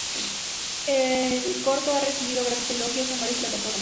El corto ha recibido grandes elogios en varias plataformas.